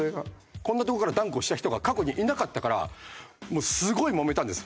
こんなとこからダンクをした人が過去にいなかったからもうすごい揉めたんです